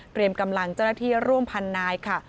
กำลังเจ้าหน้าที่ร่วมพันนายค่ะ